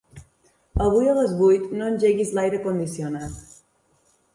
Avui a les vuit no engeguis l'aire condicionat.